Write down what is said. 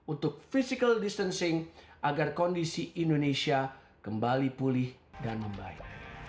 untuk physical distancing agar kondisi indonesia kembali pulih dan membaik